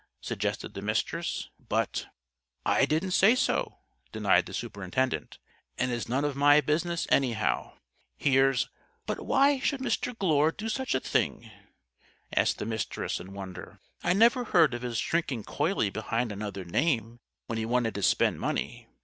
suggested the Mistress. "But " "I didn't say so," denied the superintendent. "And it's none of my business, anyhow. Here's " "But why should Mr. Glure do such a thing?" asked the Mistress, in wonder. "I never heard of his shrinking coyly behind another name when he wanted to spend money.